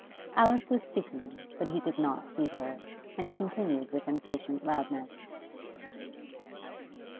Alice was speaking, but he did not heed her, and continued with impatient loudness.